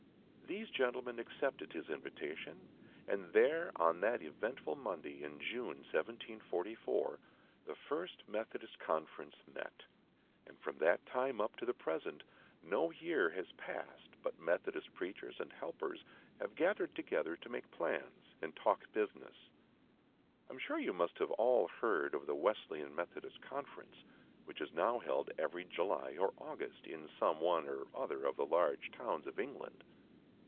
These gentlemen accepted his invitation, and there, on that eventful Monday in June, 1744, the first Methodist Conference met; and from that time up to the present, no year has passed but Methodist preachers and helpers have gathered together to make plans and talk business. I am sure you must all have heard of the Wesleyan Methodist Conference, which is now held every July or August in some one or other of the large towns of England.